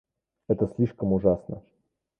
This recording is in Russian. Это слишком ужасно.